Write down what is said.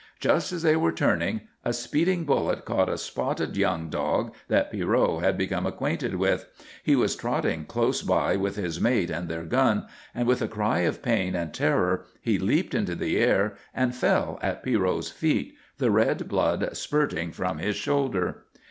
Just as they were turning a speeding bullet caught a spotted young dog that Pierrot had become acquainted with. He was trotting close by with his mate and their gun, and with a cry of pain and terror he leaped into the air and fell at Pierrot's feet, the red blood spurting from his shoulder.